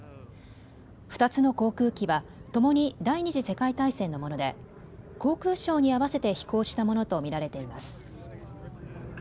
２つの航空機はともに第２次世界大戦のもので航空ショーに合わせて飛行したものと見られています。